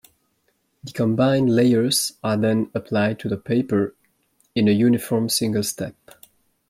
The combined layers are then applied to the paper in a uniform single step.